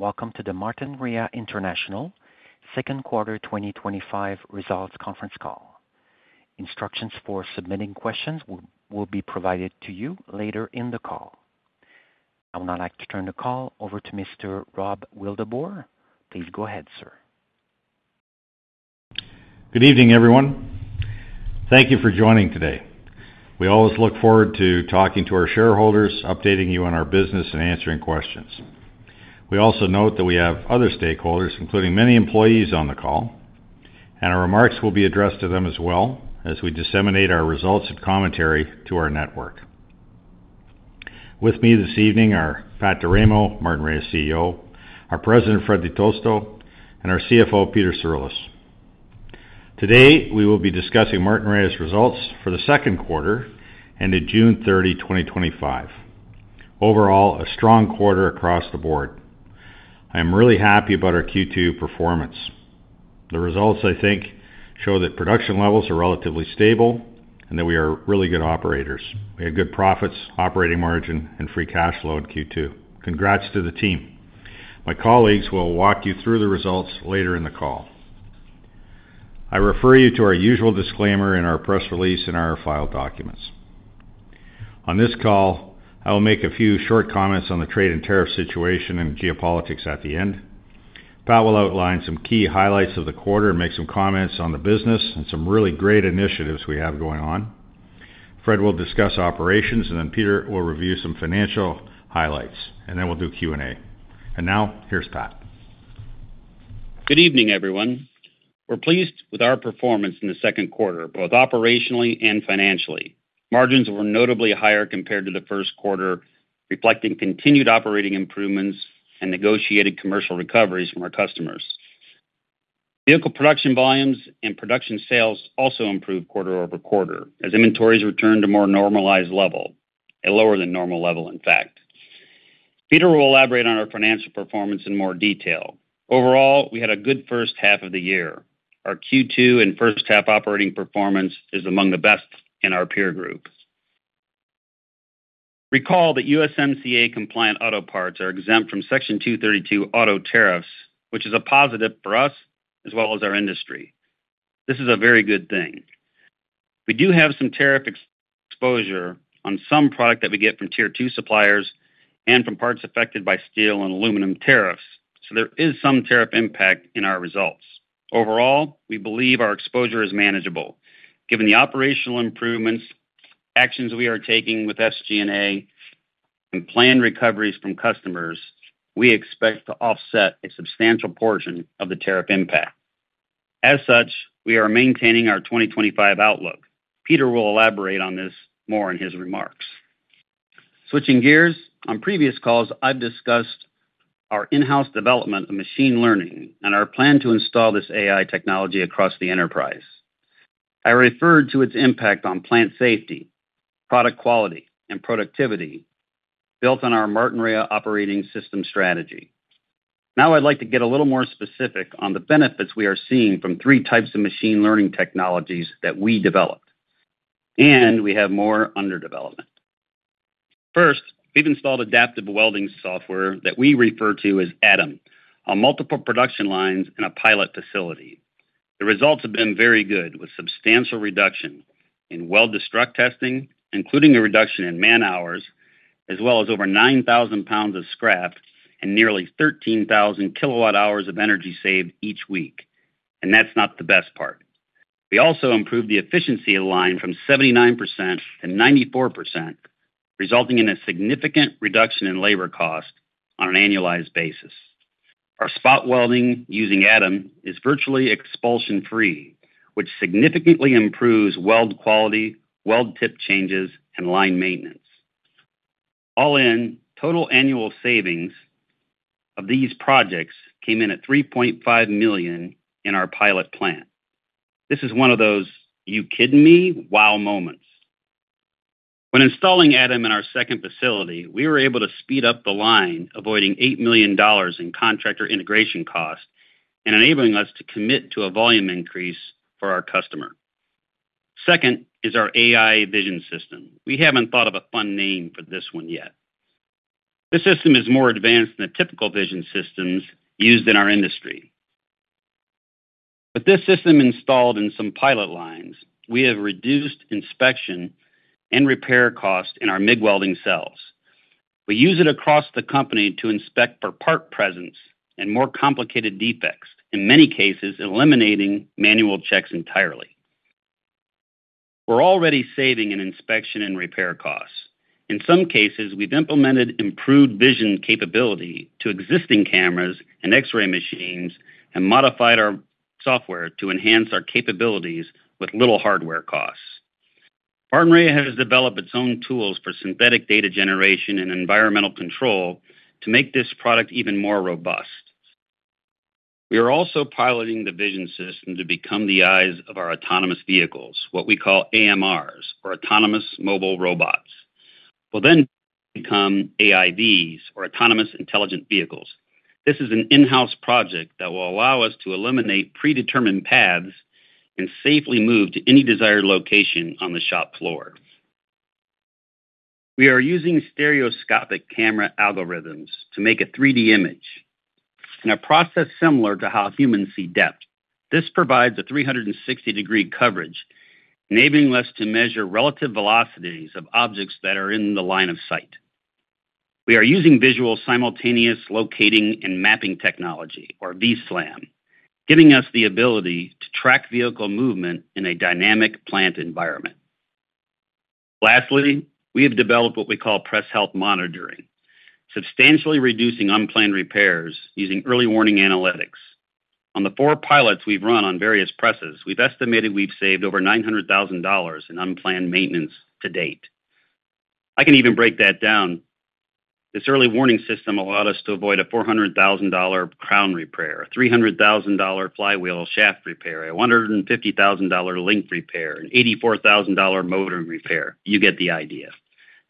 Welcome to the Martinrea International Second Quarter 2025 Results Conference Call. Instructions for submitting questions will be provided to you later in the call. I would now like to turn the call over to Mr. Rob Wildeboer. Please go ahead, sir. Good evening, everyone. Thank you for joining today. We always look forward to talking to our shareholders, updating you on our business, and answering questions. We also note that we have other stakeholders, including many employees on the call, and our remarks will be addressed to them as well as we disseminate our results and commentary to our network. With me this evening are Pat D’Eramo, Martinrea CEO, our President, Fred Di Tosto, and our CFO, Peter Cirulis. Today, we will be discussing Martinrea results for the second quarter ended June 30, 2025. Overall, a strong quarter across the board. I am really happy about our Q2 performance. The results, I think, show that production levels are relatively stable and that we are really good operators. We had good profits, operating margin, and free cash flow in Q2. Congrats to the team. My colleagues will walk you through the results later in the call. I refer you to our usual disclaimer in our press release and our filed documents. On this call, I will make a few short comments on the trade and tariff situation and geopolitics at the end. Pat will outline some key highlights of the quarter and make some comments on the business and some really great initiatives we have going on. Fred will discuss operations, and then Peter will review some financial highlights, and then we'll do Q&A. Now, here's Pat. Good evening, everyone. We're pleased with our performance in the second quarter, both operationally and financially. Margins were notably higher compared to the first quarter, reflecting continued operating improvements and negotiated commercial recoveries from our customers. Vehicle production volumes and production sales also improved quarter-over-quarter as inventories returned to a more normalized level, a lower than normal level, in fact. Peter will elaborate on our financial performance in more detail. Overall, we had a good first half of the year. Our Q2 and first half operating performance is among the best in our peer group. Recall that USMCA compliant auto parts are exempt from Section 232 auto tariffs, which is a positive for us as well as our industry. This is a very good thing. We do have some tariff exposure on some product that we get from Tier 2 suppliers and from parts affected by steel and aluminum tariffs, so there is some tariff impact in our results. Overall, we believe our exposure is manageable. Given the operational improvements, actions we are taking with SG&A, and planned recoveries from customers, we expect to offset a substantial portion of the tariff impact. As such, we are maintaining our 2025 outlook. Peter will elaborate on this more in his remarks. Switching gears, on previous calls, I've discussed our in-house development of machine learning and our plan to install this AI technology across the enterprise. I referred to its impact on plant safety, product quality, and productivity built on our Martinrea operating system strategy. Now I'd like to get a little more specific on the benefits we are seeing from three types of machine learning technologies that we develop, and we have more under development. First, we've installed adaptive welding software that we refer to as ADAM on multiple production lines and a pilot facility. The results have been very good, with substantial reduction in weld-to-struct testing, including a reduction in man-hours, as well as over 9,000 pounds of scrap and nearly 13,000 kW-hours of energy saved each week. That's not the best part. We also improved the efficiency of the line from 79%-94%, resulting in a significant reduction in labor cost on an annualized basis. Our spot welding using ADAM is virtually expulsion-free, which significantly improves weld quality, weld tip changes, and line maintenance. All in, total annual savings of these projects came in at $3.5 million in our pilot plant. This is one of those "You kidding me?" wow moments. When installing ADAM adaptive welding software in our second facility, we were able to speed up the line, avoiding $8 million in contractor integration costs and enabling us to commit to a volume increase for our customer. Second is our AI vision system. We haven't thought of a fun name for this one yet. This system is more advanced than the typical vision systems used in our industry. With this system installed in some pilot lines, we have reduced inspection and repair costs in our MIG welding cells. We use it across the company to inspect for part presence and more complicated defects, in many cases eliminating manual checks entirely. We're already saving in inspection and repair costs. In some cases, we've implemented improved vision capability to existing cameras and X-ray machines and modified our software to enhance our capabilities with little hardware costs. [Martinrea] has developed its own tools for synthetic data generation and environmental control to make this product even more robust. We are also piloting the vision system to become the eyes of our autonomous vehicles, what we call AMRs, or Autonomous Mobile Robots. We'll then become AIVs, or Autonomous Intelligent Vehicles. This is an in-house project that will allow us to eliminate predetermined paths and safely move to any desired location on the shop floor. We are using stereoscopic camera algorithms to make a 3D image, in a process similar to how humans see depth. This provides a 360-degree coverage, enabling us to measure relative velocities of objects that are in the line of sight. We are using visual simultaneous locating and mapping technology, or VSLAM, giving us the ability to track vehicle movement in a dynamic plant environment. Lastly, we have developed what we call press health monitoring, substantially reducing unplanned repairs using early warning analytics. On the four pilots we've run on various presses, we've estimated we've saved over $900,000 in unplanned maintenance to date. I can even break that down. This early warning system allowed us to avoid a $400,000 crown repair, a $300,000 flywheel shaft repair, a $150,000 link repair, an $84,000 motoring repair. You get the idea.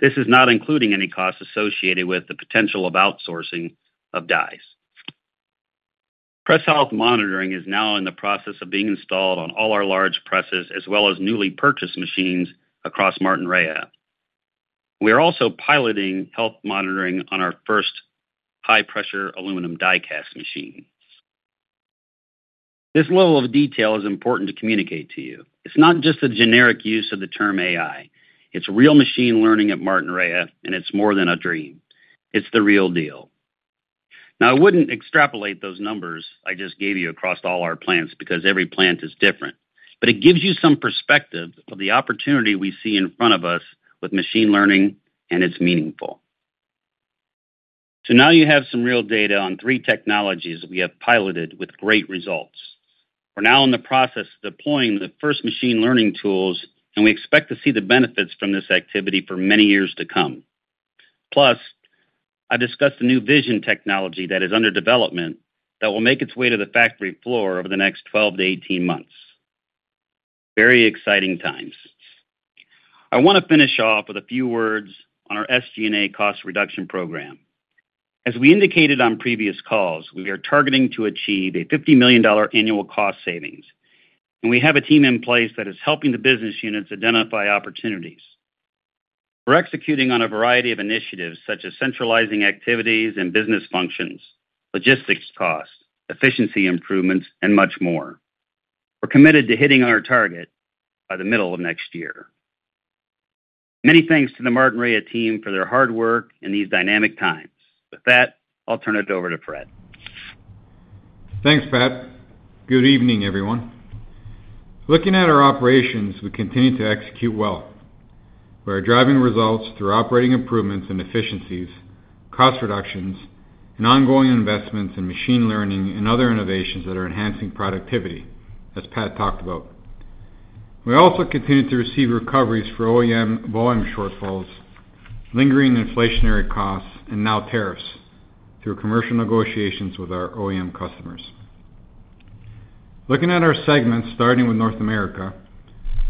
This is not including any costs associated with the potential of outsourcing of dies. Press health monitoring is now in the process of being installed on all our large presses, as well as newly purchased machines across Martinrea. We are also piloting health monitoring on our first high-pressure aluminum die cast machine. This level of detail is important to communicate to you. It's not just a generic use of the term AI. It's real machine learning at Martinrea, and it's more than a dream. It's the real deal. I wouldn't extrapolate those numbers I just gave you across all our plants because every plant is different, but it gives you some perspective of the opportunity we see in front of us with machine learning, and it's meaningful. Now you have some real data on three technologies we have piloted with great results. We're now in the process of deploying the first machine learning tools, and we expect to see the benefits from this activity for many years to come. Plus, I discussed the new vision technology that is under development that will make its way to the factory floor over the next 12-18 months. Very exciting times. I want to finish off with a few words on our SG&A cost reduction program. As we indicated on previous calls, we are targeting to achieve a $50 million annual cost savings, and we have a team in place that is helping the business units identify opportunities. We're executing on a variety of initiatives such as centralizing activities and business functions, logistics costs, efficiency improvements, and much more. We're committed to hitting our target by the middle of next year. Many thanks to the Martinrea team for their hard work in these dynamic times. With that, I'll turn it over to Fred. Thanks, Pat. Good evening, everyone. Looking at our operations, we continue to execute well. We are driving results through operating improvements and efficiencies, cost reductions, and ongoing investments in machine learning and other innovations that are enhancing productivity, as Pat talked about. We also continue to receive recoveries for OEM volume shortfalls, lingering inflationary costs, and now tariffs through commercial negotiations with our OEM customers. Looking at our segments, starting with North America,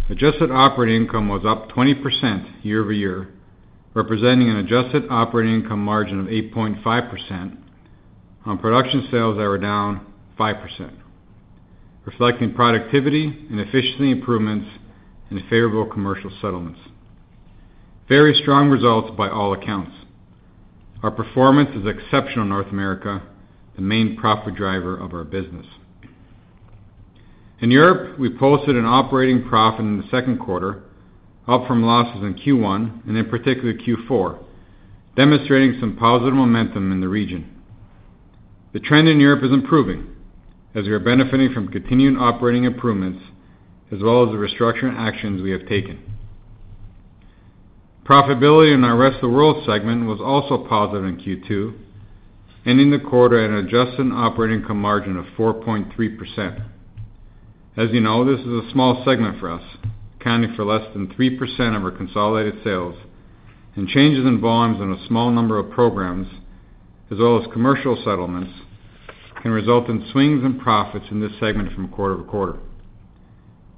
adjusted operating income was up 20% year-over-year, representing an adjusted operating income margin of 8.5% on production sales that were down 5%, reflecting productivity and efficiency improvements and favorable commercial settlements. Very strong results by all accounts. Our performance is exceptional in North America, the main profit driver of our business. In Europe, we posted an operating profit in the second quarter, up from losses in Q1 and in particular Q4, demonstrating some positive momentum in the region. The trend in Europe is improving as we are benefiting from continued operating improvements, as well as the restructuring actions we have taken. Profitability in our rest of the world segment was also positive in Q2, ending the quarter at an adjusted operating income margin of 4.3%. As you know, this is a small segment for us, accounting for less than 3% of our consolidated sales, and changes in volumes in a small number of programs, as well as commercial settlements, can result in swings in profits in this segment from quarter to quarter.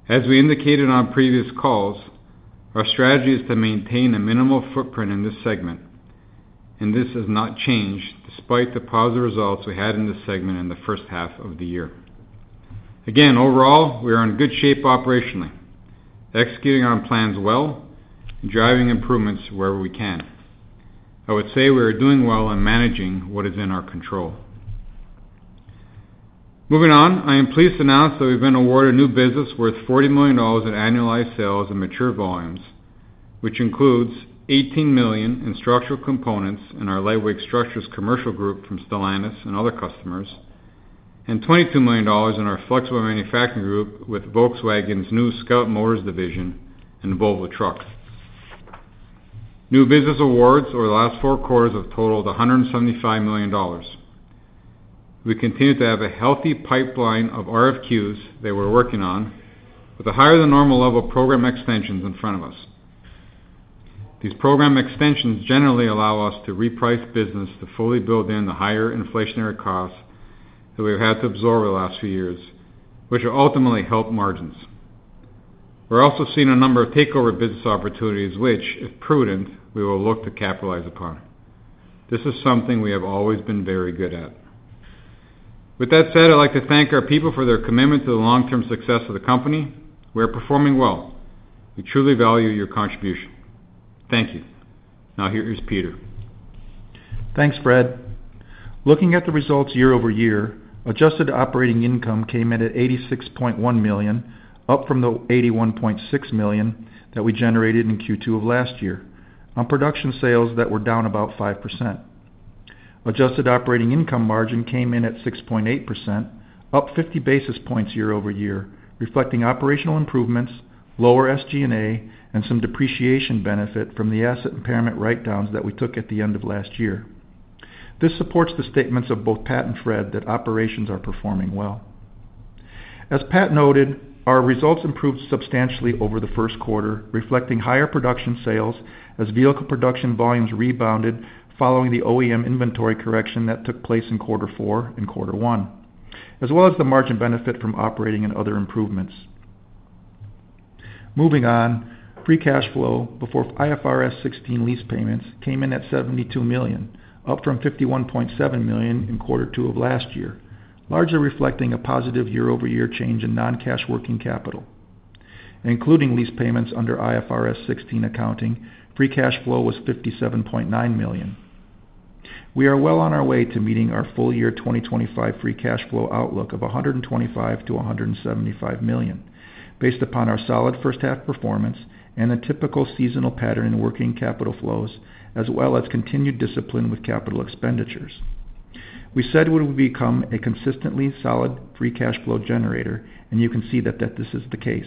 As we indicated on previous calls, our strategy is to maintain a minimal footprint in this segment, and this has not changed despite the positive results we had in this segment in the first half of the year. Again, overall, we are in good shape operationally, executing our plans well, and driving improvements wherever we can. I would say we are doing well in managing what is in our control. Moving on, I am pleased to announce that we've been awarded a new business worth $40 million in annualized sales and mature volumes, which includes $18 million in structural components in our Lightweight Structures Commercial Group from Stellantis and other customers, and $22 million in our Flexible Manufacturing Group with Volkswagen's new Scout Motors division and Volvo Trucks. New business awards over the last four quarters have totaled $175 million. We continue to have a healthy pipeline of RFQs that we're working on, with a higher than normal level of program extensions in front of us. These program extensions generally allow us to reprice business to fully build in the higher inflationary costs that we've had to absorb over the last few years, which will ultimately help margins. We're also seeing a number of takeover business opportunities, which, if prudent, we will look to capitalize upon. This is something we have always been very good at. With that said, I'd like to thank our people for their commitment to the long-term success of the company. We are performing well. We truly value your contribution. Thank you. Now, here is Peter. Thanks, Fred. Looking at the results year-over-year, adjusted operating income came in at $86.1 million, up from the $81.6 million that we generated in Q2 of last year on production sales that were down about 5%. Adjusted operating income margin came in at 6.8%, up 50 basis points year-over-year, reflecting operational improvements, lower SG&A, and some depreciation benefit from the asset impairment write-downs that we took at the end of last year. This supports the statements of both Pat and Fred that operations are performing well. As Pat noted, our results improved substantially over the first quarter, reflecting higher production sales as vehicle production volumes rebounded following the OEM inventory correction that took place in quarter four and quarter one, as well as the margin benefit from operating and other improvements. Moving on, free cash flow before IFRS 16 lease payments came in at $72 million, up from $51.7 million in quarter two of last year, largely reflecting a positive year-over-year change in non-cash working capital. Including lease payments under IFRS 16 accounting, free cash flow was $57.9 million. We are well on our way to meeting our full-year 2025 free cash flow outlook of $125 million-$175 million, based upon our solid first half performance and a typical seasonal pattern in working capital flows, as well as continued discipline with capital expenditures. We said we would become a consistently solid free cash flow generator, and you can see that this is the case.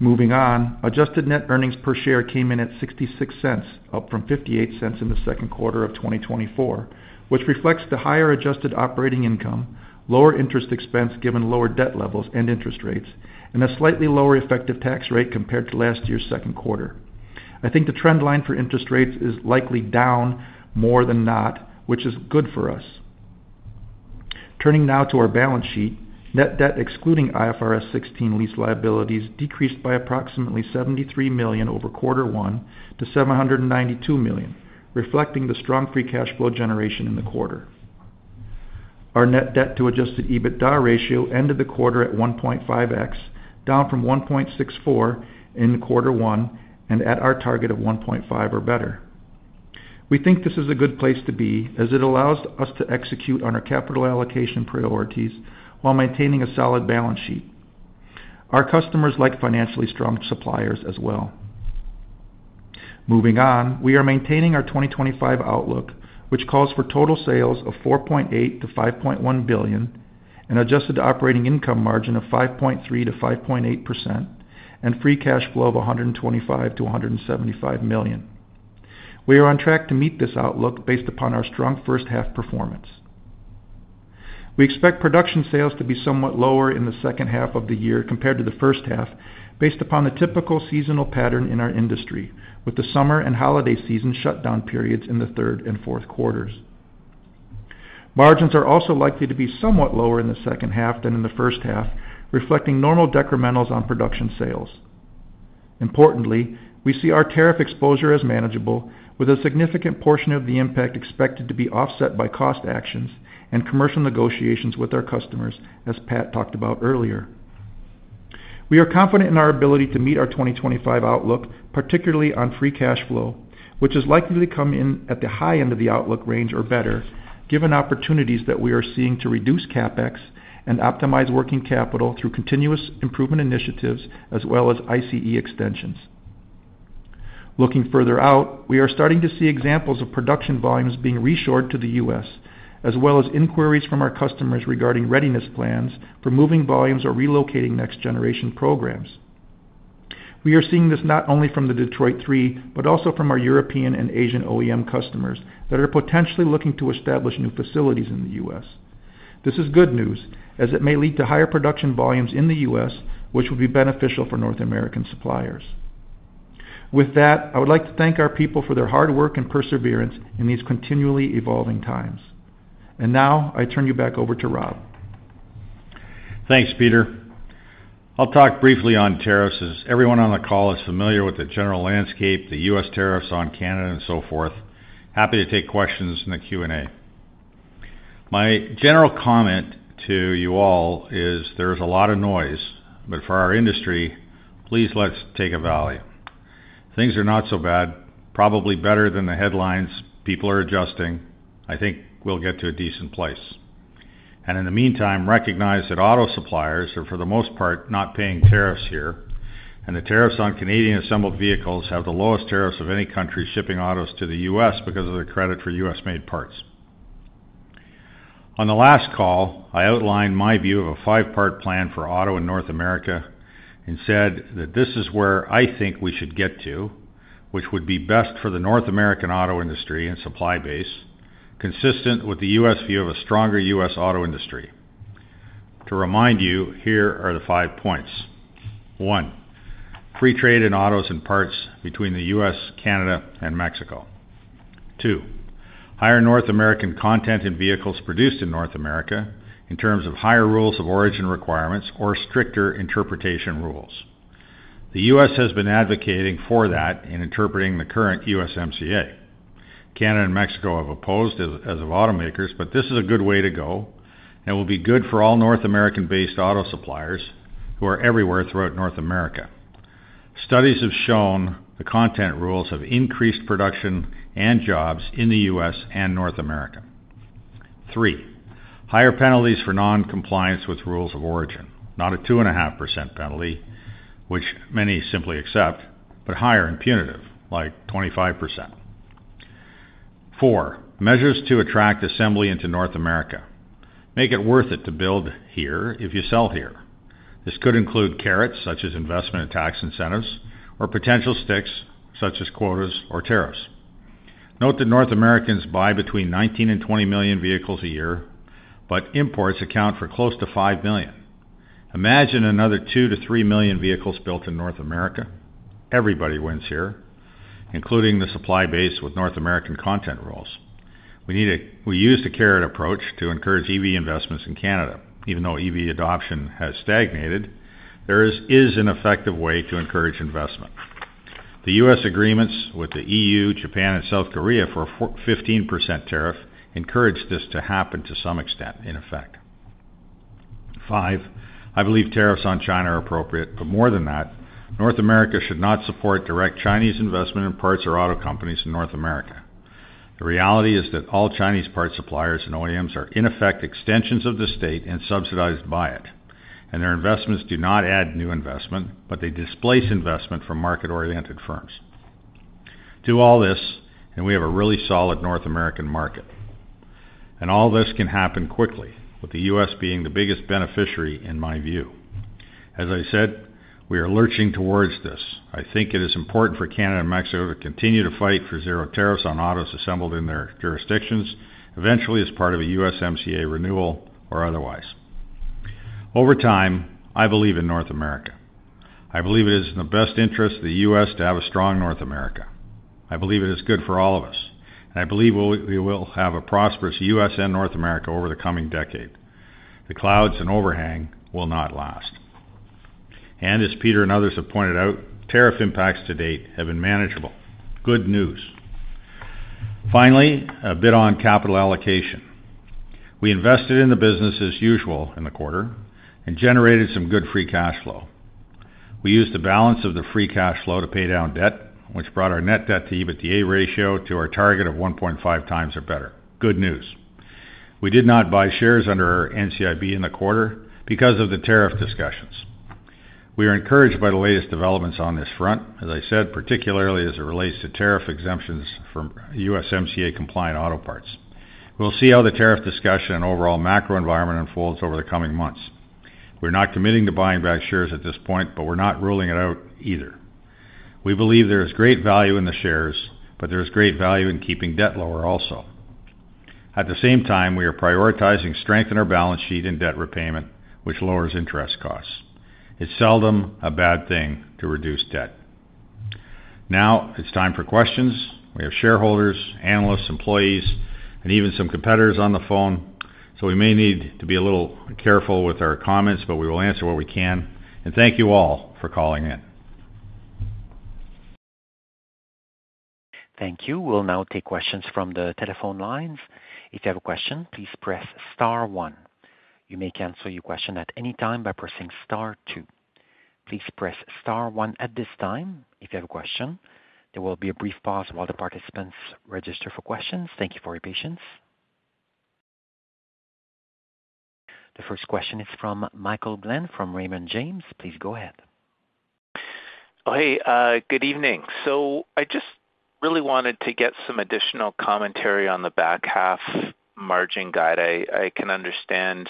Moving on, adjusted net earnings per share came in at $0.66, up from $0.58 in the second quarter of 2024, which reflects the higher adjusted operating income, lower interest expense given lower debt levels and interest rates, and a slightly lower effective tax rate compared to last year's second quarter. I think the trend line for interest rates is likely down more than not, which is good for us. Turning now to our balance sheet, net debt excluding IFRS 16 lease liabilities decreased by approximately $73 million over quarter one to $792 million, reflecting the strong free cash flow generation in the quarter. Our net debt to adjusted EBITDA ratio ended the quarter at 1.5x, down from 1.64x in quarter one and at our target of 1.5x or better. We think this is a good place to be as it allows us to execute on our capital allocation priorities while maintaining a solid balance sheet. Our customers like financially strong suppliers as well. Moving on, we are maintaining our 2025 outlook, which calls for total sales of $4.8 billion-$5.1 billion, an adjusted operating income margin of 5.3%-5.8%, and free cash flow of $125 million-$175 million. We are on track to meet this outlook based upon our strong first half performance. We expect production sales to be somewhat lower in the second half of the year compared to the first half, based upon the typical seasonal pattern in our industry, with the summer and holiday season shutdown periods in the third and fourth quarters. Margins are also likely to be somewhat lower in the second half than in the first half, reflecting normal decrementals on production sales. Importantly, we see our tariff exposure as manageable, with a significant portion of the impact expected to be offset by cost actions and commercial negotiations with our customers, as Pat talked about earlier. We are confident in our ability to meet our 2025 outlook, particularly on free cash flow, which is likely to come in at the high end of the outlook range or better, given opportunities that we are seeing to reduce CapEx and optimize working capital through continuous improvement initiatives, as well as ICE extensions. Looking further out, we are starting to see examples of production volumes being reshored to the U.S., as well as inquiries from our customers regarding readiness plans for moving volumes or relocating next-generation programs. We are seeing this not only from the Detroit three, but also from our European and Asian OEM customers that are potentially looking to establish new facilities in the U.S. This is good news, as it may lead to higher production volumes in the U.S., which would be beneficial for North American suppliers. With that, I would like to thank our people for their hard work and perseverance in these continually evolving times. I turn you back over to Rob. Thanks, Peter. I'll talk briefly on tariffs as everyone on the call is familiar with the general landscape, the U.S. tariffs on Canada, and so forth. Happy to take questions in the Q&A. My general comment to you all is there's a lot of noise, but for our industry, please let's take a vow. Things are not so bad, probably better than the headlines. People are adjusting. I think we'll get to a decent place. In the meantime, recognize that auto suppliers are, for the most part, not paying tariffs here, and the tariffs on Canadian assembled vehicles have the lowest tariffs of any country shipping autos to the U.S. because of the credit for U.S.-made parts. On the last call, I outlined my view of a five-part plan for auto in North America and said that this is where I think we should get to, which would be best for the North American auto industry and supply base, consistent with the U.S. view of a stronger U.S. auto industry. To remind you, here are the five points. One, free trade in autos and parts between the U.S., Canada, and Mexico. Two, higher North American content in vehicles produced in North America in terms of higher rules of origin requirements or stricter interpretation rules. The U.S. has been advocating for that in interpreting the current USMCA. Canada and Mexico have opposed as have automakers, but this is a good way to go and will be good for all North American-based auto suppliers who are everywhere throughout North America. Studies have shown the content rules have increased production and jobs in the U.S. and North America. Three, higher penalties for non-compliance with rules of origin, not a 2.5% penalty, which many simply accept, but higher and punitive, like 25%. Four, measures to attract assembly into North America. Make it worth it to build here if you sell here. This could include carrots, such as investment and tax incentives, or potential sticks, such as quotas or tariffs. Note that North Americans buy between 19 million and 20 million vehicles a year, but imports account for close to 5 million. Imagine another 2 million-3 million vehicles built in North America. Everybody wins here, including the supply base with North American content rules. We use the carrot approach to encourage EV investments in Canada. Even though EV adoption has stagnated, there is an effective way to encourage investment. The U.S. agreements with the EU, Japan, and South Korea for a 15% tariff encourage this to happen to some extent, in effect. Five, I believe tariffs on China are appropriate, but more than that, North America should not support direct Chinese investment in parts or auto companies in North America. The reality is that all Chinese parts suppliers and OEMs are, in effect, extensions of the state and subsidized by it, and their investments do not add new investment, but they displace investment from market-oriented firms. Do all this, and we have a really solid North American market. All this can happen quickly, with the U.S. being the biggest beneficiary in my view. As I said, we are lurching towards this. I think it is important for Canada and Mexico to continue to fight for zero tariffs on autos assembled in their jurisdictions, eventually as part of a USMCA renewal or otherwise. Over time, I believe in North America. I believe it is in the best interest of the U.S. to have a strong North America. I believe it is good for all of us, and I believe we will have a prosperous U.S. and North America over the coming decade. The clouds and overhang will not last. As Peter and others have pointed out, tariff impacts to date have been manageable. Good news. Finally, a bit on capital allocation. We invested in the business as usual in the quarter and generated some good free cash flow. We used the balance of the free cash flow to pay down debt, which brought our net debt to EBITDA ratio to our target of 1.5x or better. Good news. We did not buy shares under our NCIB in the quarter because of the tariff discussions. We are encouraged by the latest developments on this front, as I said, particularly as it relates to tariff exemptions from USMCA compliant auto parts. We'll see how the tariff discussion and overall macro environment unfolds over the coming months. We're not committing to buying back shares at this point, but we're not ruling it out either. We believe there is great value in the shares, but there is great value in keeping debt lower also. At the same time, we are prioritizing strength in our balance sheet and debt repayment, which lowers interest costs. It's seldom a bad thing to reduce debt. Now it's time for questions. We have shareholders, analysts, employees, and even some competitors on the phone, so we may need to be a little careful with our comments, but we will answer what we can. Thank you all for calling in. Thank you. We'll now take questions from the telephone lines. If you have a question, please press star one. You may cancel your question at any time by pressing star two. Please press star one at this time if you have a question. There will be a brief pause while the participants register for questions. Thank you for your patience. The first question is from Michael Glen from Raymond James. Please go ahead. Good evening. I just really wanted to get some additional commentary on the back half margin guide. I can understand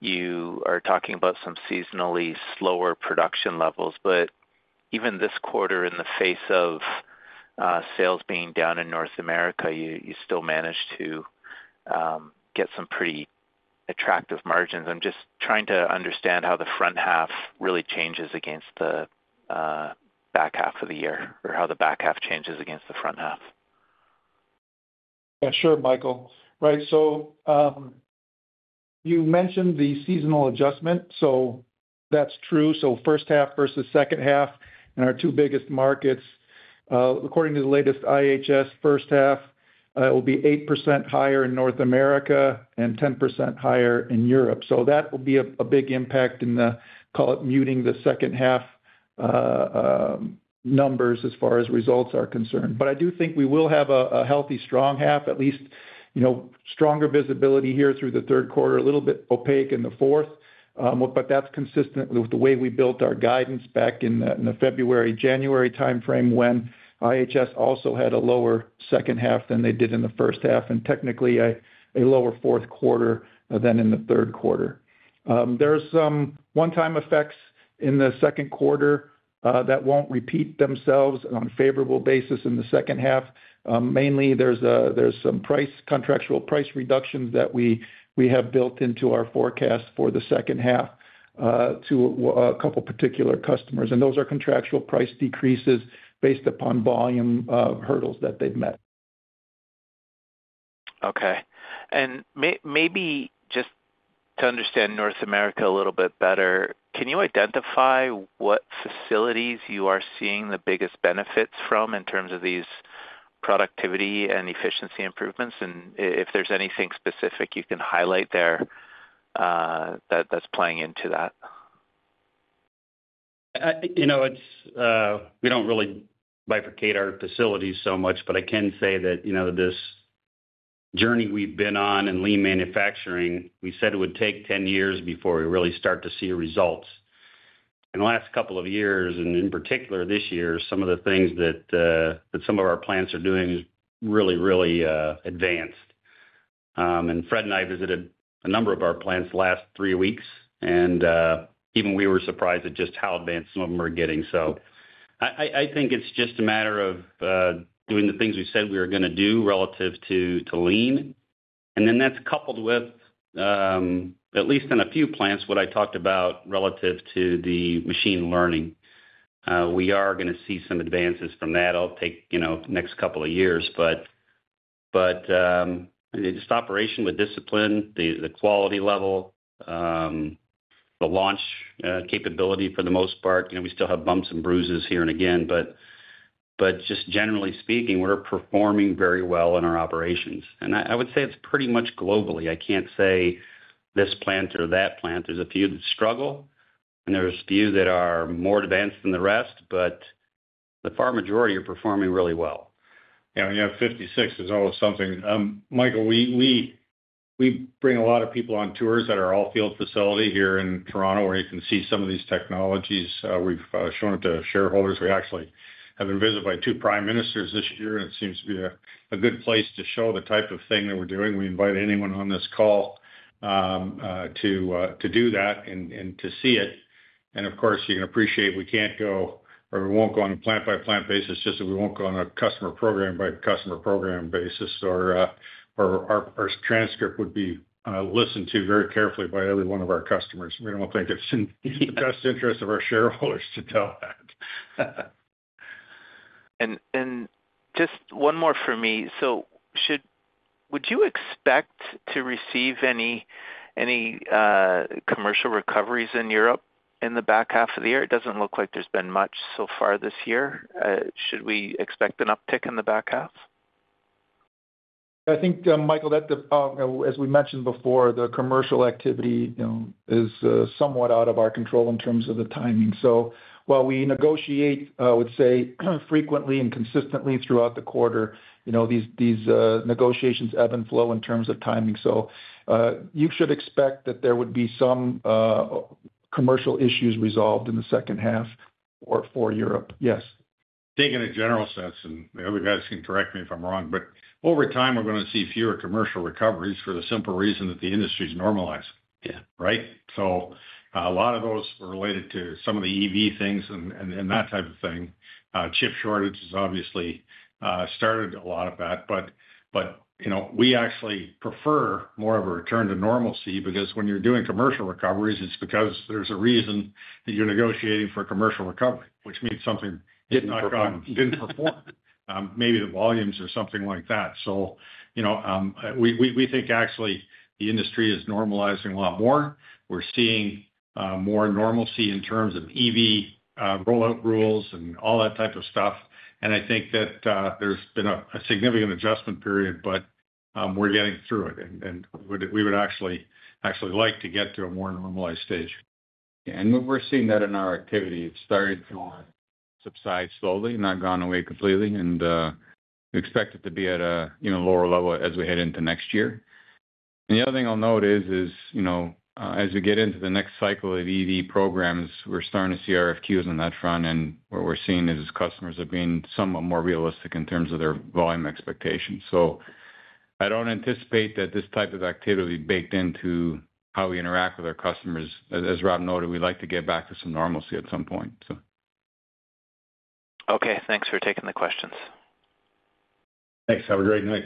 you are talking about some seasonally slower production levels, but even this quarter, in the face of sales being down in North America, you still managed to get some pretty attractive margins. I'm just trying to understand how the front half really changes against the back half of the year or how the back half changes against the front half. Yeah, sure, Michael. Right. You mentioned the seasonal adjustment. That's true. First half vs second half in our two biggest markets, according to the latest IHS, first half will be 8% higher in North America and 10% higher in Europe. That will be a big impact in the, call it, muting the second half numbers as far as results are concerned. I do think we will have a healthy, strong half, at least, you know, stronger visibility here through the third quarter, a little bit opaque in the fourth, but that's consistent with the way we built our guidance back in the February-January timeframe when IHS also had a lower second half than they did in the first half and technically a lower fourth quarter than in the third quarter. There are some one-time effects in the second quarter that won't repeat themselves on a favorable basis in the second half. Mainly, there are some contractual price reductions that we have built into our forecast for the second half to a couple of particular customers. Those are contractual price decreases based upon volume hurdles that they've met. Okay. Maybe just to understand North America a little bit better, can you identify what facilities you are seeing the biggest benefits from in terms of these productivity and efficiency improvements? If there's anything specific you can highlight there that's playing into that. We don't really bifurcate our facilities so much, but I can say that, you know, this journey we've been on in lean manufacturing, we said it would take 10 years before we really start to see results. In the last couple of years, and in particular this year, some of the things that some of our plants are doing is really, really advanced. Fred and I visited a number of our plants the last three weeks, and even we were surprised at just how advanced some of them are getting. I think it's just a matter of doing the things we said we were going to do relative to lean. That's coupled with, at least in a few plants, what I talked about relative to the machine learning. We are going to see some advances from that. It'll take, you know, the next couple of years, but just operation with discipline, the quality level, the launch capability for the most part. You know, we still have bumps and bruises here and again, but just generally speaking, we're performing very well in our operations. I would say it's pretty much globally. I can't say this plant or that plant. There's a few that struggle, and there's a few that are more advanced than the rest, but the far majority are performing really well. Yeah, we have 56 is always something. Michael, we bring a lot of people on tours at our All-Field facility here in Toronto, where you can see some of these technologies. We've shown it to shareholders. We actually have been visited by two prime ministers this year, and it seems to be a good place to show the type of thing that we're doing. We invite anyone on this call to do that and to see it. Of course, you can appreciate we can't go or we won't go on a plant-by-plant basis, just as we won't go on a customer program-by-customer program basis, or our transcript would be listened to very carefully by every one of our customers. We don't think it's in the best interest of our shareholders to tell that. Would you expect to receive any commercial recoveries in Europe in the back half of the year? It doesn't look like there's been much so far this year. Should we expect an uptick in the back half? I think, Michael, as we mentioned before, the commercial activity is somewhat out of our control in terms of the timing. While we negotiate, I would say, frequently and consistently throughout the quarter, these negotiations ebb and flow in terms of timing. You should expect that there would be some commercial issues resolved in the second half for Europe, yes. Taking a general sense, and the other guys can correct me if I'm wrong, but over time, we're going to see fewer commercial recoveries for the simple reason that the industry's normalizing. Yeah, right? A lot of those were related to some of the EV things and that type of thing. Chip shortages obviously started a lot of that. We actually prefer more of a return to normalcy because when you're doing commercial recoveries, it's because there's a reason that you're negotiating for a commercial recovery, which means something didn't perform, maybe the volumes or something like that. We think actually the industry is normalizing a lot more. We're seeing more normalcy in terms of EV rollout rules and all that type of stuff. I think that there's been a significant adjustment period, but we're getting through it. We would actually like to get to a more normalized stage. We're seeing that in our activity. It started to subside slowly and not gone away completely. We expect it to be at a lower level as we head into next year. The other thing I'll note is, as we get into the next cycle of EV programs, we're starting to see RFQs on that front. What we're seeing is customers are being somewhat more realistic in terms of their volume expectations. I don't anticipate that this type of activity baked into how we interact with our customers. As Rob noted, we'd like to get back to some normalcy at some point. Okay, thanks for taking the questions. Thanks. Have a great night.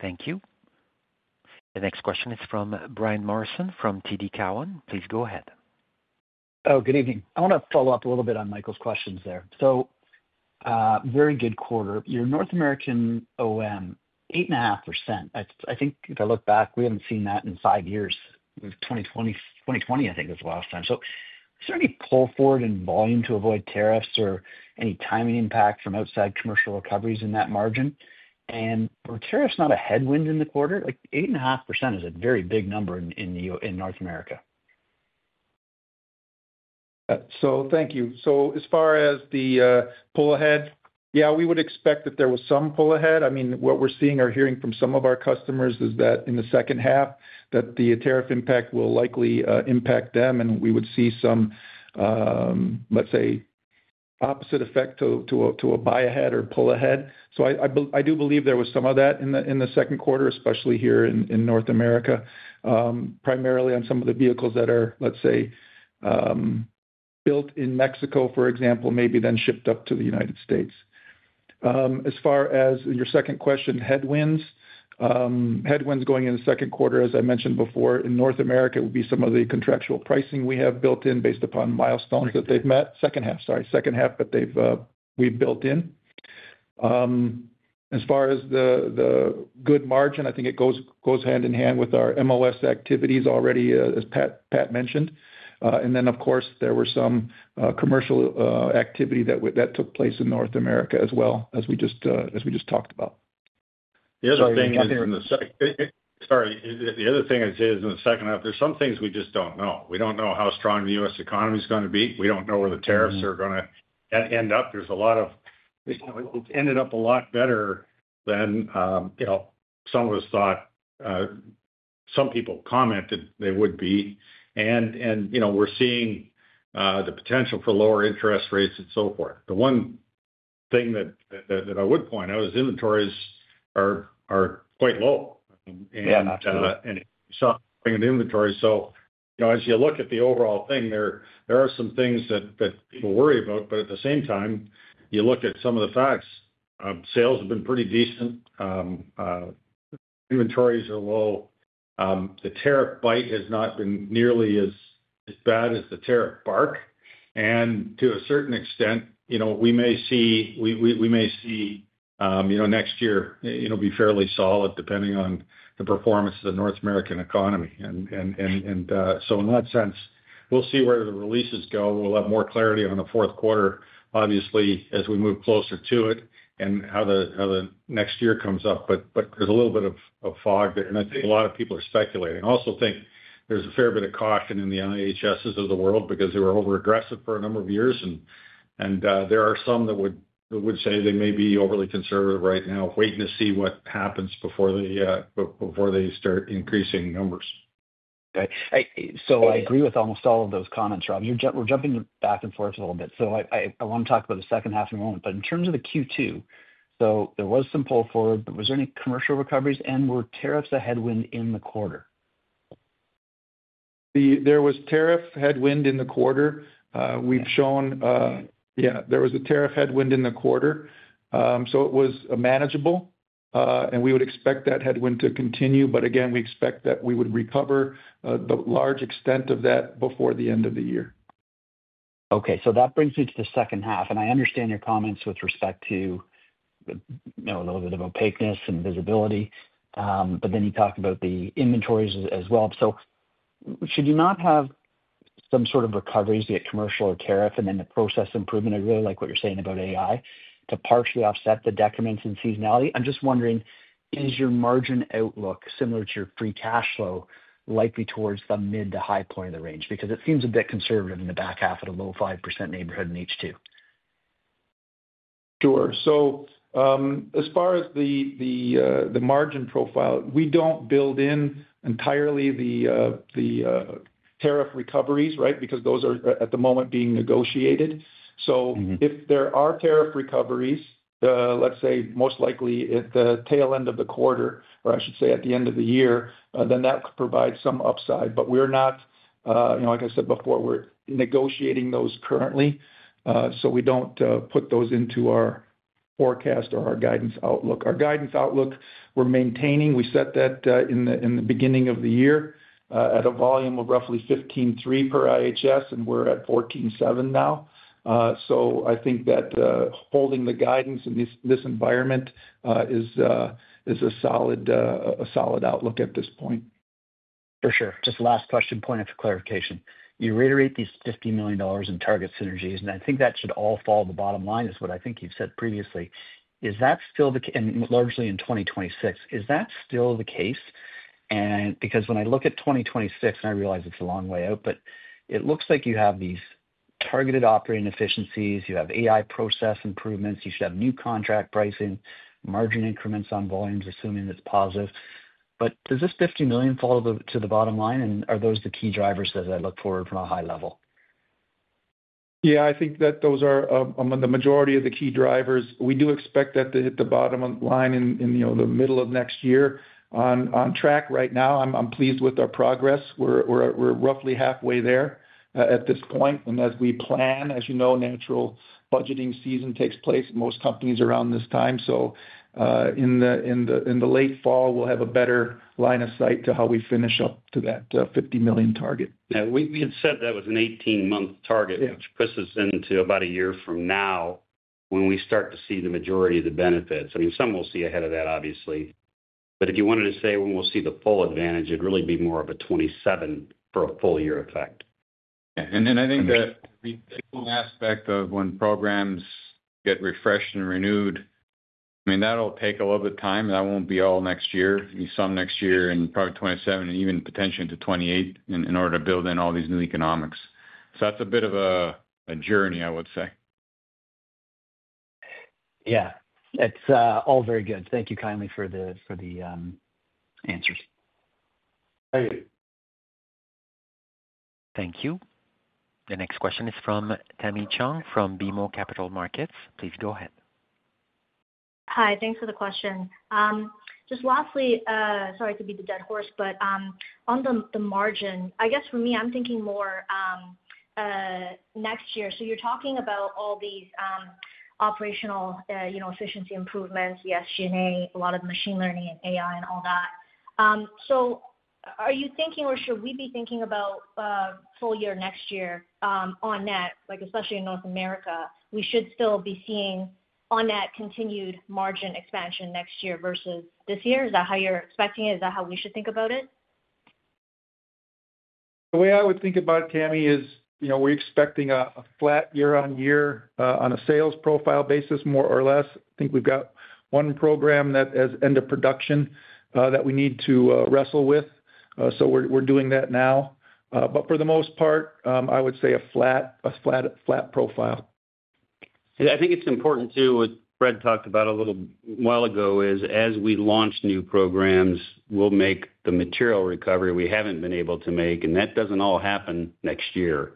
Thank you. The next question is from Brian Morrison from TD Cowen. Please go ahead. Oh, good evening. I want to follow up a little bit on Michael's questions there. Very good quarter. Your North American OM, 8.5%. I think if I look back, we haven't seen that in five years. It was 2020. I think it was the last time. Did we pull forward in volume to avoid tariffs or any timing impact from outside commercial recoveries in that margin? Were tariffs not a headwind in the quarter? 8.5% is a very big number in North America. Thank you. As far as the pull ahead, we would expect that there was some pull ahead. What we're seeing or hearing from some of our customers is that in the second half, the tariff impact will likely impact them, and we would see some, let's say, opposite effect to a buy ahead or pull ahead. I do believe there was some of that in the second quarter, especially here in North America, primarily on some of the vehicles that are, let's say, built in Mexico, for example, maybe then shipped up to the United States. As far as your second question, headwinds going in the second quarter, as I mentioned before, in North America would be some of the contractual pricing we have built in based upon milestones that they've met. Second half, sorry, second half that we've built in. As far as the good margin, I think it goes hand in hand with our MOS activities already, as Pat mentioned. Of course, there were some commercial activity that took place in North America as well, as we just talked about. The other thing I'd say is in the second half, there's some things we just don't know. We don't know how strong the U.S. economy is going to be. We don't know where the tariffs are going to end up. There's a lot of, you know, it ended up a lot better than, you know, some of us thought. Some people commented they would be. We're seeing the potential for lower interest rates and so forth. The one thing that I would point out is inventories are quite low. You saw an inventory. As you look at the overall thing, there are some things that people worry about. At the same time, you look at some of the facts. Sales have been pretty decent. Inventories are low. The tariff bite has not been nearly as bad as the tariff bark. To a certain extent, we may see next year be fairly solid depending on the performance of the North American economy. In that sense, we'll see where the releases go. We'll have more clarity on the fourth quarter, obviously, as we move closer to it and how the next year comes up. There's a little bit of fog there. I think a lot of people are speculating. I also think there's a fair bit of caution in the NIHSs of the world because they were overaggressive for a number of years. There are some that would say they may be overly conservative right now, waiting to see what happens before they start increasing numbers. I agree with almost all of those comments, Rob. We're jumping back and forth a little bit. I want to talk about the second half in a moment. In terms of Q2, there was some pull forward, but was there any commercial recoveries and were tariffs a headwind in the quarter? There was a tariff headwind in the quarter. There was a tariff headwind in the quarter. It was manageable, and we would expect that headwind to continue. We expect that we would recover the large extent of that before the end of the year. Okay, that brings me to the second half. I understand your comments with respect to a little bit of opaqueness and visibility. You talk about the inventories as well. Should you not have some sort of recoveries, yet commercial or tariff, and then the process improvement? I really like what you're saying about AI, to partially offset the decrements in seasonality. I'm just wondering, is your margin outlook similar to your free cash flow likely towards the mid to high point of the range? It seems a bit conservative in the back half at a low 5% neighborhood in H2. Sure. As far as the margin profile, we don't build in entirely the tariff recoveries, right? Those are at the moment being negotiated. If there are tariff recoveries, most likely at the tail end of the quarter, or I should say at the end of the year, that could provide some upside. We're not, you know, like I said before, we're negotiating those currently. We don't put those into our forecast or our guidance outlook. Our guidance outlook, we're maintaining. We set that in the beginning of the year at a volume of roughly 15.3x per IHS, and we're at 14.7x now. I think that holding the guidance in this environment is a solid outlook at this point. For sure. Just last question, point of clarification. You reiterate these $50 million in target synergies, and I think that should all follow the bottom line, is what I think you've said previously. Is that still the, and largely in 2026, is that still the case? Because when I look at 2026, and I realize it's a long way out, it looks like you have these targeted operating efficiencies, you have AI process improvements, you should have new contract pricing, margin increments on volumes, assuming that's positive. Does this $50 million fall to the bottom line, and are those the key drivers as I look forward from a high level? Yeah, I think that those are among the majority of the key drivers. We do expect that to hit the bottom line in the middle of next year. On track right now, I'm pleased with our progress. We're roughly halfway there at this point, and as we plan, as you know, natural budgeting season takes place, most companies around this time. In the late fall, we'll have a better line of sight to how we finish up to that $50 million target. Now, we had said that was an 18-month target, which pushes into about a year from now when we start to see the majority of the benefits. Some we'll see ahead of that, obviously. If you wanted to say when we'll see the full advantage, it'd really be more of a 2027 for a full year effect. I think that the aspect of when programs get refreshed and renewed, that'll take a little bit of time. That won't be all next year. Some next year and probably 2027 and even potentially into 2028 in order to build in all these new economics. That's a bit of a journey, I would say. Thank you. The next question is from Tamy Chen from BMO Capital Markets. Please go ahead. Hi, thanks for the question. Just lastly, sorry, it could be the dead horse, but on the margin, I guess for me, I'm thinking more next year. You're talking about all these operational efficiency improvements, the SG&A, a lot of machine learning and AI and all that. Are you thinking, or should we be thinking about full year next year on net, like especially in North America, we should still be seeing on net continued margin expansion next year vs this year? Is that how you're expecting it? Is that how we should think about it? The way I would think about it, Tamy, is, you know, we're expecting a flat year-on-year on a sales profile basis, more or less. I think we've got one program that is end of production that we need to wrestle with. We're doing that now. For the most part, I would say a flat profile. I think it's important too, what Fred talked about a little while ago, is as we launch new programs, we'll make the material recovery we haven't been able to make, and that doesn't all happen next year.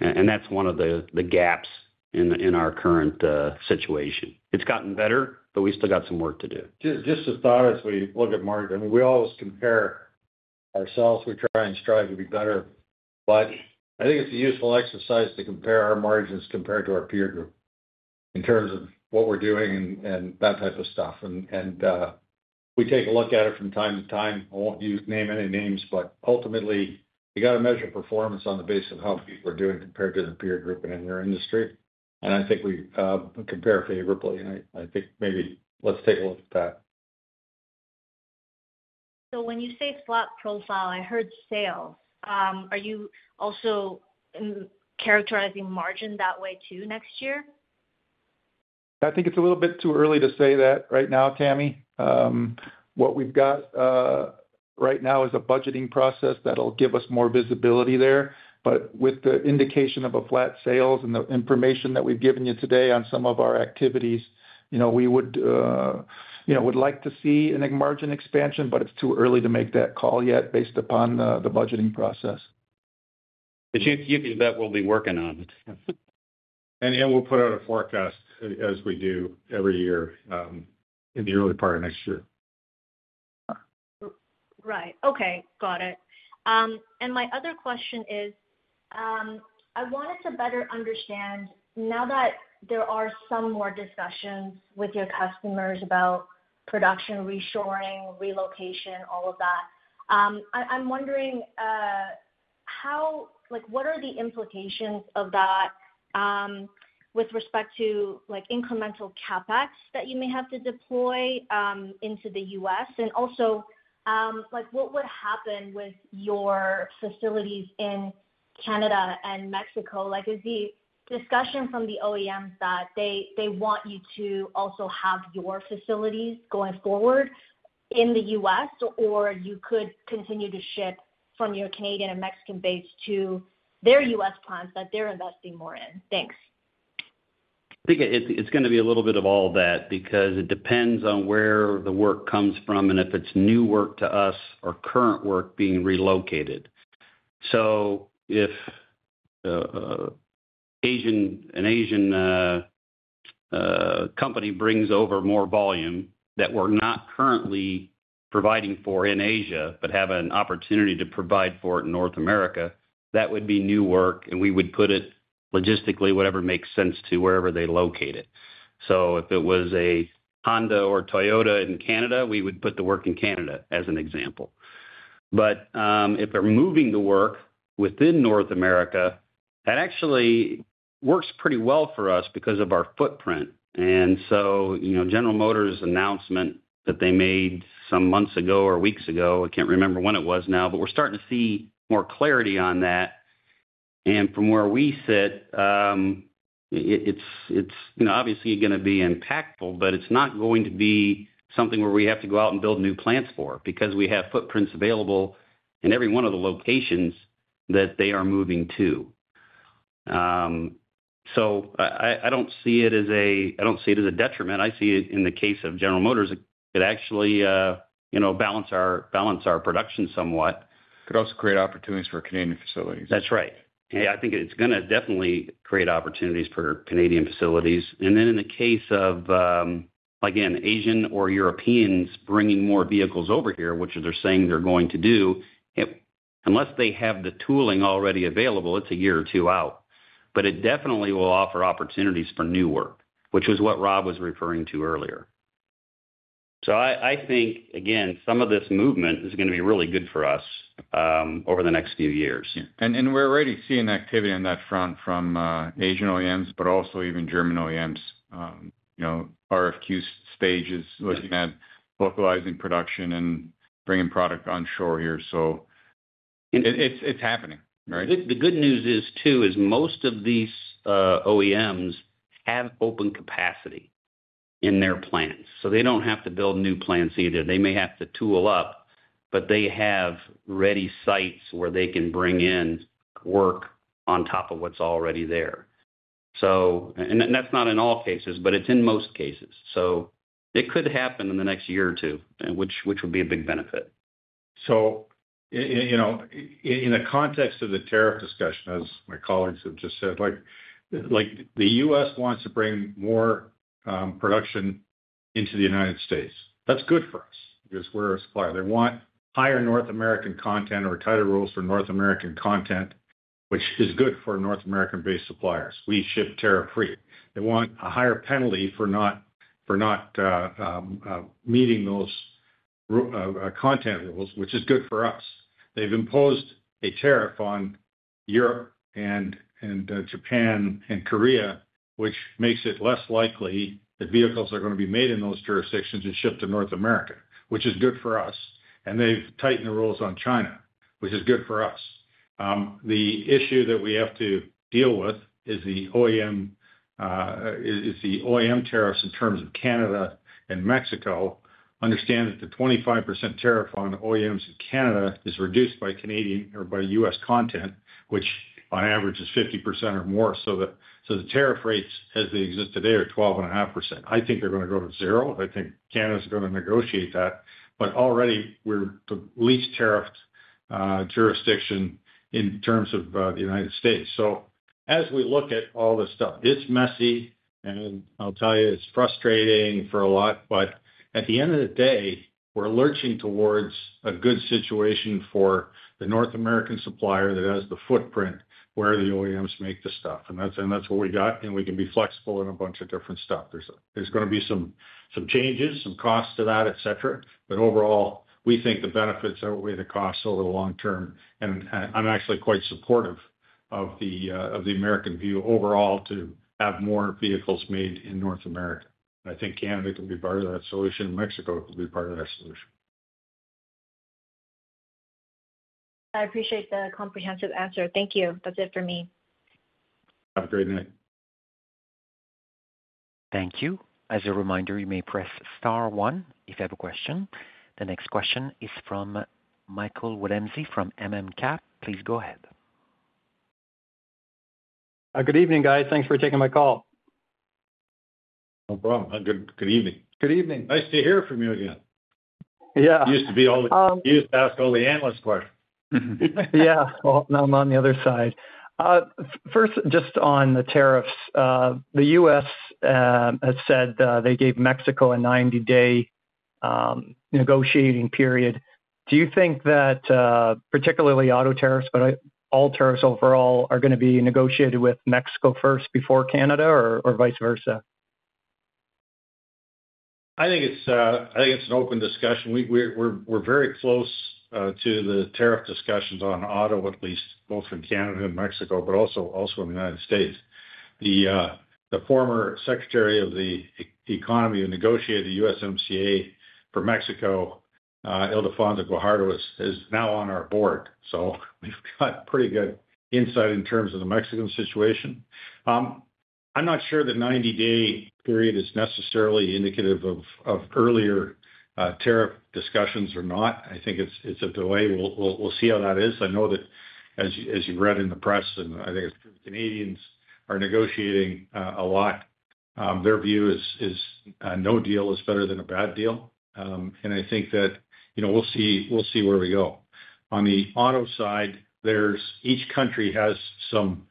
That's one of the gaps in our current situation. It's gotten better, but we still got some work to do. Just as long as we look at margin, I mean, we always compare ourselves. We try and strive to be better. I think it's a useful exercise to compare our margins compared to our peer group in terms of what we're doing and that type of stuff. We take a look at it from time to time. I won't name any names, but ultimately, you got to measure performance on the basis of how people are doing compared to their peer group and in their industry. I think we compare favorably, and I think maybe let's take a look at that. When you say flat profile, I heard sales. Are you also characterizing margin that way too next year? I think it's a little bit too early to say that right now, Tamy. What we've got right now is a budgeting process that'll give us more visibility there. With the indication of a flat sales and the information that we've given you today on some of our activities, we would like to see a margin expansion, but it's too early to make that call yet based upon the budgeting process. Do you think that we'll be working on it? We'll put out a forecast as we do every year in the early part of next year. Right. Okay. Got it. My other question is, I wanted to better understand now that there are some more discussions with your customers about production reshoring, relocation, all of that. I'm wondering, what are the implications of that with respect to incremental CapEx that you may have to deploy into the U.S.? Also, what would happen with your facilities in Canada and Mexico? Is the discussion from the OEM that they want you to also have your facilities going forward in the U.S., or could you continue to ship from your Canadian and Mexican base to their U.S. plants that they're investing more in? Thanks. I think it's going to be a little bit of all of that because it depends on where the work comes from and if it's new work to us or current work being relocated. If an Asian company brings over more volume that we're not currently providing for in Asia, but have an opportunity to provide for it in North America, that would be new work, and we would put it logistically, whatever makes sense to wherever they locate it. If it was a Honda or Toyota in Canada, we would put the work in Canada as an example. If they're moving the work within North America, that actually works pretty well for us because of our footprint. General Motors' announcement that they made some months ago or weeks ago, I can't remember when it was now, but we're starting to see more clarity on that. From where we sit, it's obviously going to be impactful, but it's not going to be something where we have to go out and build new plants for because we have footprints available in every one of the locations that they are moving to. I don't see it as a detriment. I see it in the case of General Motors. It actually, you know, balances our production somewhat. Could also create opportunities for Canadian facilities. That's right. I think it's going to definitely create opportunities for Canadian facilities. In the case of, again, Asian or Europeans bringing more vehicles over here, which they're saying they're going to do, unless they have the tooling already available, it's a year or two out. It definitely will offer opportunities for new work, which was what Rob was referring to earlier. I think, again, some of this movement is going to be really good for us over the next few years. We're already seeing activity on that front from Asian OEMs, but also even German OEMs. RFQ stages are looking at localizing production and bringing product onshore here. It's happening, right? The good news is, too, most of these OEMs have open capacity in their plants. They don't have to build new plants either. They may have to tool up, but they have ready sites where they can bring in work on top of what's already there. That is not in all cases, but it's in most cases. It could happen in the next year or two, which would be a big benefit. In the context of the tariff discussion, as my colleagues have just said, the U.S. wants to bring more production into the United States. That's good for us because we're a supplier. They want higher North American content or tighter rules for North American content, which is good for North American-based suppliers. We ship tariff-free. They want a higher penalty for not meeting those content rules, which is good for us. They've imposed a tariff on Europe and Japan and Korea, which makes it less likely that vehicles are going to be made in those jurisdictions and shipped to North America, which is good for us. They've tightened the rules on China, which is good for us. The issue that we have to deal with is the OEM tariffs in terms of Canada and Mexico. Understand that the 25% tariff on OEMs in Canada is reduced by Canadian or by U.S. content, which on average is 50% or more. The tariff rates, as they exist today, are 12.5%. I think they're going to go to zero. I think Canada is going to negotiate that. Already we're the least tariffed jurisdiction in terms of the United States. As we look at all this stuff, it's messy, and I'll tell you, it's frustrating for a lot. At the end of the day, we're lurching towards a good situation for the North American supplier that has the footprint where the OEMs make the stuff. That's what we got. We can be flexible in a bunch of different stuff. There's going to be some changes, some costs to that, etc. Overall, we think the benefits outweigh the costs over the long term. I'm actually quite supportive of the American view overall to have more vehicles made in North America. I think Canada can be part of that solution. Mexico could be part of that solution. I appreciate the comprehensive answer. Thank you. That's it for me. Thank you. As a reminder, you may press star one if you have a question. The next question is from Michael Willemse from MMCap. Please go ahead. Good evening, guys. Thanks for taking my call. Now I'm on the other side. First, just on the tariffs, the U.S. has said they gave Mexico a 90-day negotiating period. Do you think that particularly auto tariffs, but all tariffs overall, are going to be negotiated with Mexico first before Canada or vice versa? I think it's an open discussion. We're very close to the tariff discussions on auto, at least both from Canada and Mexico, but also from the United States. The former Secretary of the Economy who negotiated the USMCA for Mexico, Ildefonso Guajardo, is now on our board. We've got a pretty good insight in terms of the Mexican situation. I'm not sure the 90-day period is necessarily indicative of earlier tariff discussions or not. I think it's a delay. We'll see how that is. I know that, as you've read in the press, and I think it's true, Canadians are negotiating a lot. Their view is no deal is better than a bad deal. I think that we'll see where we go. On the auto side, each country has some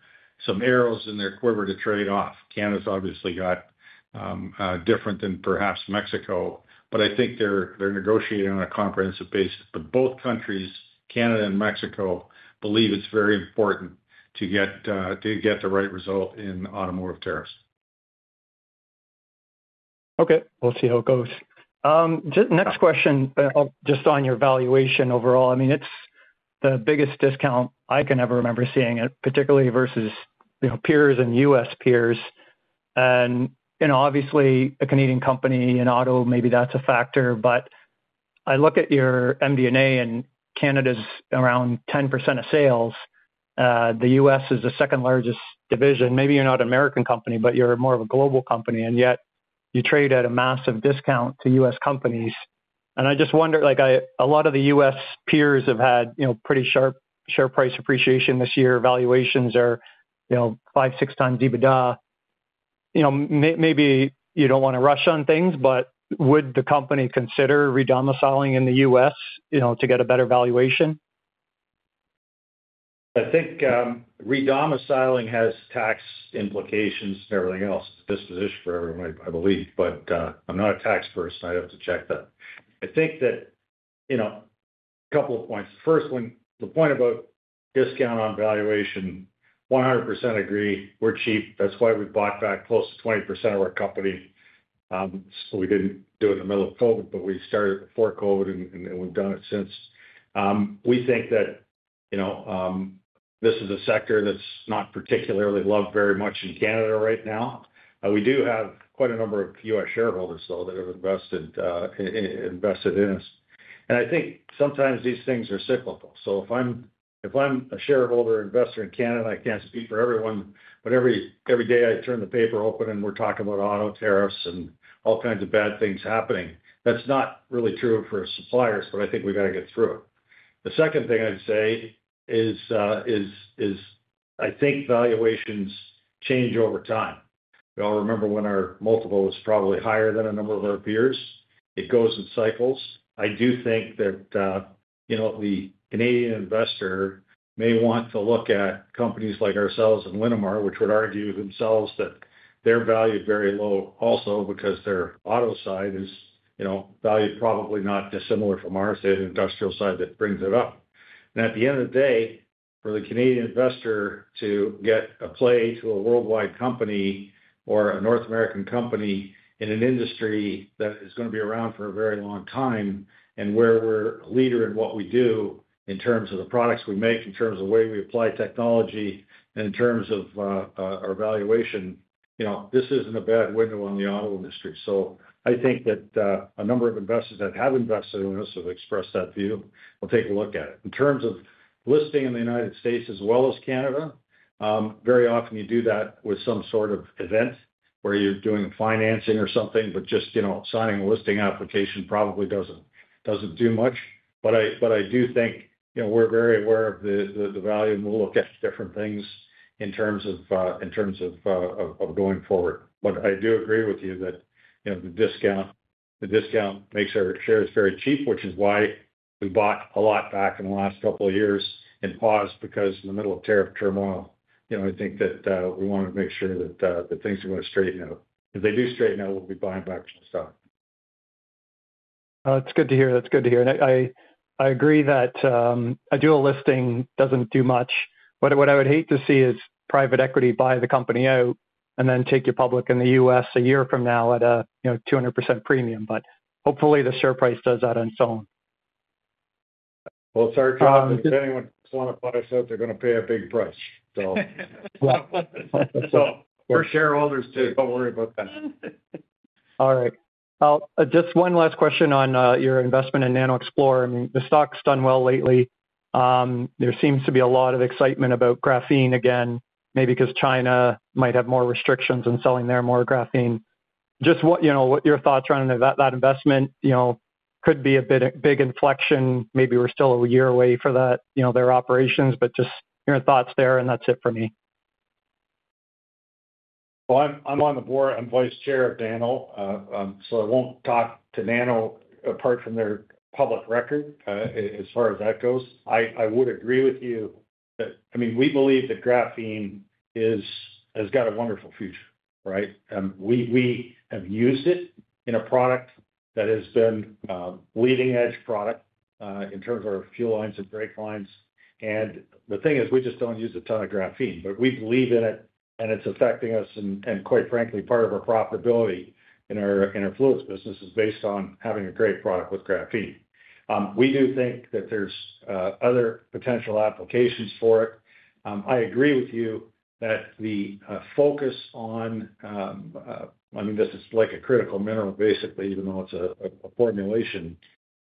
arrows in their quiver to trade off. Canada's obviously got different than perhaps Mexico. I think they're negotiating on a comprehensive basis. Both countries, Canada and Mexico, believe it's very important to get the right result in automotive tariffs. Okay, we'll see how it goes. Next question, just on your valuation overall. I mean, it's the biggest discount I can ever remember seeing it, particularly versus peers and U.S. peers. You know, obviously, a Canadian company in auto, maybe that's a factor. I look at your MV&A and Canada's around 10% of sales. The U.S. is the second largest division. Maybe you're not an American company, but you're more of a global company. Yet, you trade at a massive discount to U.S. companies. I just wonder, like a lot of the U.S. peers have had pretty sharp share price appreciation this year. Valuations are 5x, 6x EBITDA. Maybe you don't want to rush on things, but would the company consider re-domiciling in the U.S. to get a better valuation? I think re-domiciling has tax implications and everything else, disposition for everyone, I believe. I'm not a tax person. I'd have to check that. I think that, you know, a couple of points. First, the point about discount on valuation, 100% agree. We're cheap. That's why we bought back close to 20% of our company. We didn't do it in the middle of COVID, but we started it before COVID, and we've done it since. We think that this is a sector that's not particularly loved very much in Canada right now. We do have quite a number of U.S. shareholders, though, that have invested in us. I think sometimes these things are cyclical. If I'm a shareholder or investor in Canada, I can't speak for everyone. Every day I turn the paper open and we're talking about auto tariffs and all kinds of bad things happening. That's not really true for suppliers, but I think we've got to get through it. The second thing I'd say is, I think valuations change over time. I remember when our multiple was probably higher than a number of our peers. It goes in cycles. I do think that the Canadian investor may want to look at companies like ourselves and Linamar, which would argue themselves that they're valued very low also because their auto side is valued probably not dissimilar from ours, the industrial side that brings it up. At the end of the day, for the Canadian investor to get a play to a worldwide company or a North American company in an industry that is going to be around for a very long time and where we're a leader in what we do in terms of the products we make, in terms of the way we apply technology, and in terms of our valuation, this isn't a bad window on the auto industry. I think that a number of investors that have invested in us have expressed that view. We'll take a look at it. In terms of listing in the United States as well as Canada, very often you do that with some sort of event where you're doing financing or something, but just signing a listing application probably doesn't do much. I do think we're very aware of the value and we'll look at different things in terms of going forward. I do agree with you that the discount makes our shares very cheap, which is why we bought a lot back in the last couple of years and paused because in the middle of tariff turmoil, I think that we want to make sure that things are going to straighten out. If they do straighten out, we'll be buying back some stock. That's good to hear. I agree that a dual listing doesn't do much. I would hate to see private equity buy the company out and then take you public in the U.S. a year from now at a 200% premium. Hopefully the share price does that on its own. If anyone wants to buy us out, they're going to pay a big price. Of course shareholders don’t worry about that. All right. Just one last question on your investment in NanoXplore. I mean, the stock's done well lately. There seems to be a lot of excitement about graphene again, maybe because China might have more restrictions in selling their more graphene. Just what, you know, what your thoughts are on that investment. You know, could be a big inflection. Maybe we're still a year away for that, you know, their operations, but just your thoughts there, and that's it for me. I'm on the board. I'm Vice Chair of Nano. I won't talk to Nano apart from their public record as far as that goes. I would agree with you that, I mean, we believe that graphene has got a wonderful future, right? We have used it in a product that has been a leading-edge product in terms of our fuel lines and drape lines. The thing is, we just don't use a ton of graphene, but we believe in it, and it's affecting us, and quite frankly, part of our profitability in our fluid business is based on having a great product with graphene. We do think that there's other potential applications for it. I agree with you that the focus on, I mean, this is like a critical mineral, basically, even though it's a formulation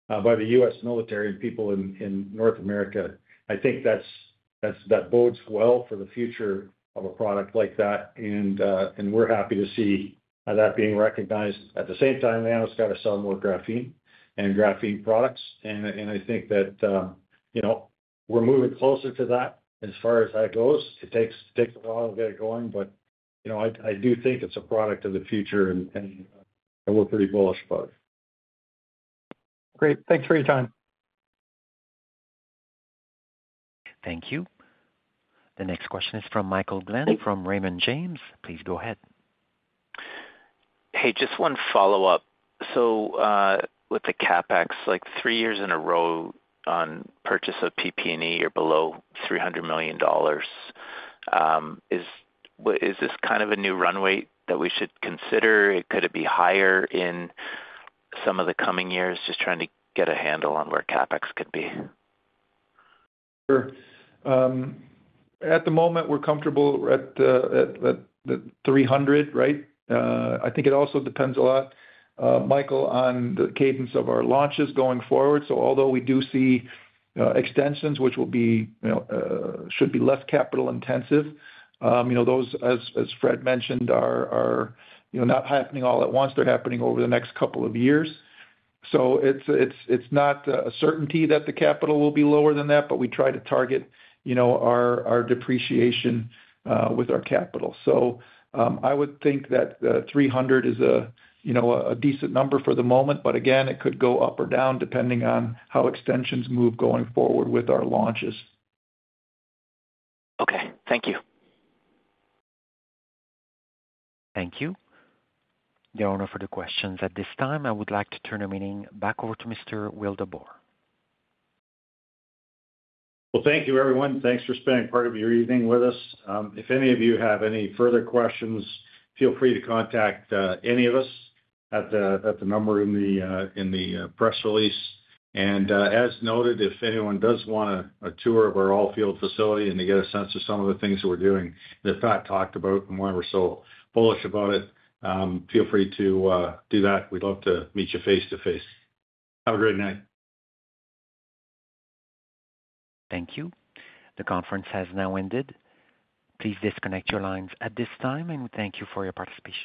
by the U.S. military and people in North America. I think that bodes well for the future of a product like that. We're happy to see that being recognized. At the same time, they almost got to sell more graphene and graphene products. I think that, you know, we're moving closer to that as far as that goes. It takes a while to get it going, but, you know, I do think it's a product of the future, and we're pretty bullish about it. Thank you. The next question is from Michael Glen from Raymond James. Please go ahead. Just one follow-up. With the CapEx, like three years in a row on purchase of PP&E or below $300 million, is this kind of a new runway that we should consider? Could it be higher in some of the coming years, just trying to get a handle on where CapEx could be? Sure. At the moment, we're comfortable at the $300 million, right? I think it also depends a lot, Michael, on the cadence of our launches going forward. Although we do see extensions, which will be, should be less capital intensive, those, as Fred mentioned, are not happening all at once. They're happening over the next couple of years. It is not a certainty that the capital will be lower than that, but we try to target our depreciation with our capital. I would think that the $300 million is a decent number for the moment. It could go up or down depending on how extensions move going forward with our launches. Thank you. There are no further questions at this time. I would like to turn the meeting back over to Mr. Wildeboer. Thank you, everyone. Thanks for spending part of your evening with us. If any of you have any further questions, feel free to contact any of us at the number in the press release. As noted, if anyone does want a tour of our Allfield facility and to get a sense of some of the things that we're doing that's not talked about and why we're so bullish about it, feel free to do that. We'd love to meet you face to face. Have a great night. Thank you. The conference has now ended. Please disconnect your lines at this time, and we thank you for your participation.